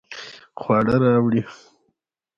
خواړه راوړئ